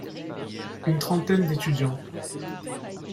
Une trentaine d’étudiants.